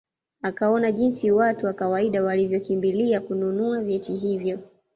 Akaona jinsi watu wa kawaida walivyokimbilia kununua vyeti hivyo